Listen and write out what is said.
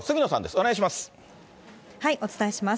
お願いします。